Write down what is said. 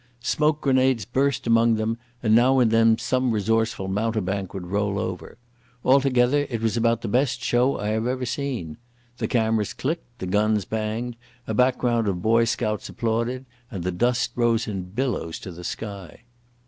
Smoke grenades burst among them, and now and then some resourceful mountebank would roll over. Altogether it was about the best show I have ever seen. The cameras clicked, the guns banged, a background of boy scouts applauded, and the dust rose in billows to the sky.